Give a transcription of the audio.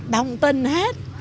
đồng tình hết